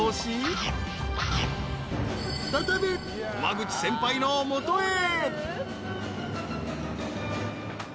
［再び野間口先輩の元へ］